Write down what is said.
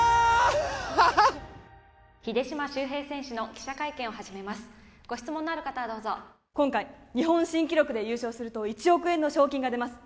ハハッ・秀島修平選手の記者会見を始めますご質問のある方はどうぞ今回日本新記録で優勝すると１億円の賞金が出ます